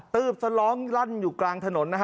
ตื้บสะร้องรั่นอยู่กลางถนน